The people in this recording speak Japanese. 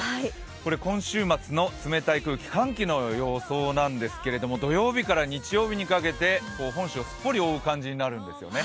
これ今週末の冷たい空気、寒気の予想なんですけれども土曜日から日曜日にかけて本州をすっぽり覆うようになるんですよね。